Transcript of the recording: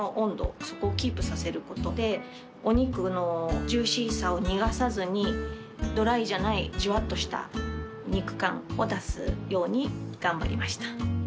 そこをキープさせることでお肉のジューシーさを逃がさずにドライじゃないじゅわっとした肉感を出すように頑張りました。